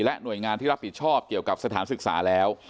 หน่วยงานที่รับผิดชอบเกี่ยวกับสถานศึกษาแล้ว